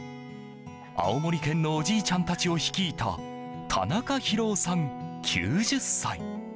青森県のおじいちゃんたちを率いた、田中博男さん、９０歳。